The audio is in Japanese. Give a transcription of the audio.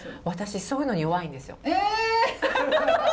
私そういうのに弱いんですよ。え！